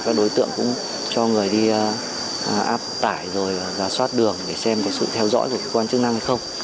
các đối tượng cũng cho người đi áp tải rồi giả soát đường để xem có sự theo dõi của cơ quan chức năng hay không